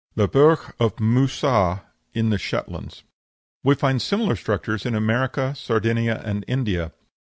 THE BURGH OF MOUSSA, IN THE SHETLANDS We find similar structures in America, Sardinia, and India.